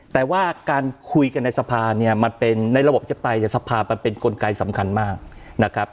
แต่ว่าการคุยกันในสภาเนี่ยมันเป็นในระบบจะไปแต่สภามันเป็นกลไกสำคัญมากนะครับ